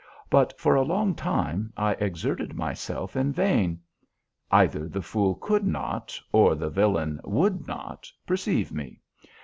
But for a long time I exerted myself in vain. Either the fool could not, or the villain would not perceive me.